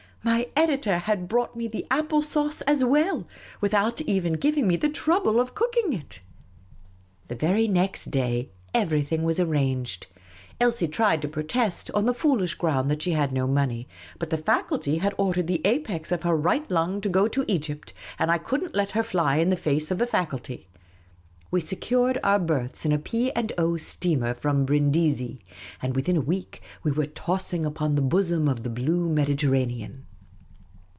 My editor had brought me the apple sauce as well, without even giving me the trouble of cooking it. The very next day everything was arranged. Elsie tried to protest, on the foolish ground that she had no money, but the faculty had ordered the apex of her right lung to go to Egypt, and I could n't let her fly in the face of the faculty. We secured our berths in a P. and O. steatner from Brindisi ; and within a week we were tossing upon the bosom of the blue Mediterranean.